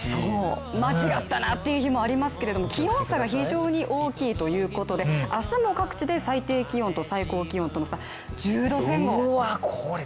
間違ったなという日もありますけれども気温差が非常に大きいということで、明日も各地で最低気温と最高気温との差、１０度前後。